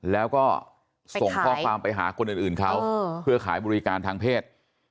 แล้วก็ส่งข้อความไปหาคนอื่นเขาเพื่อขายบริการทางเพศ